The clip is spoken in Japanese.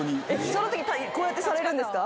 そのときこうやってされるんですか？